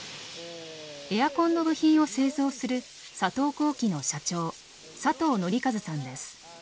エアコンの部品を製造する佐藤工機の社長佐藤憲和さんです。